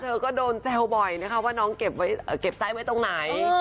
เธอก็โดนแซวบ่อยนะคะว่าน้องเก็บไซส์ไว้ตรงไหน